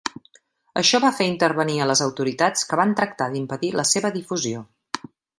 Això va fer intervenir a les autoritats que van tractar d'impedir la seva difusió.